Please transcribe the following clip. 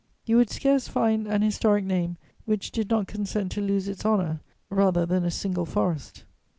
You would scarce find an historic name which did not consent to lose its honour rather than a single forest.